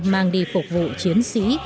mang đi phục vụ chiến sĩ